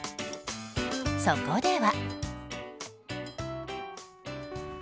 そこでは。